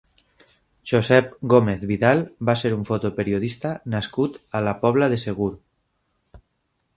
Josep Gómez Vidal va ser un fotoperiodista nascut a la Pobla de Segur.